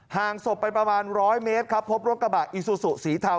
ห่างศพไปประมาณร้อยเมตรครับพบรถกระบะอีซูซูสีเทา